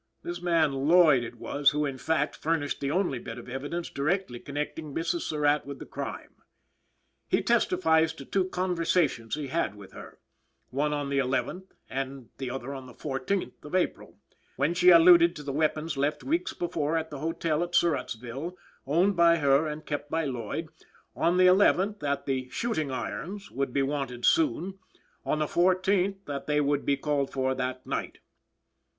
This man Lloyd it was who, in fact, furnished the only bit of evidence directly connecting Mrs. Surratt with the crime. He testifies to two conversations he had with her one on the 11th and the other on the 14th of April when she alluded to the weapons left weeks before at the hotel at Surrattsville owned by her and kept by Lloyd on the 11th, that the "shooting irons" would be wanted soon; on the 14th, that they would be called for that night.